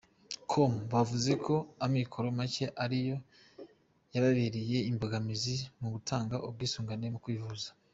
com bavuzeko amikoro make ariyo yababereye imbogamizi mu gutanga ubwisungane mu kwivuza.